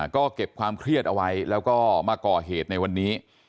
ก็เก็บความเครียดเอาไว้แล้วก็มาก่อเหตุในวันนี้